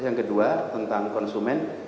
yang kedua tentang konsumen